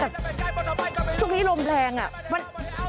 แต่แบบช่วงนี้ลมแรงอ่ะมัน